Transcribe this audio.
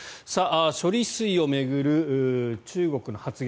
処理水を巡る中国の発言